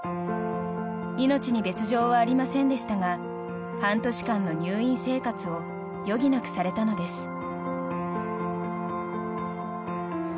命に別条はありませんでしたが半年間の入院生活を余儀なくされたのです。